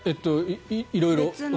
色々。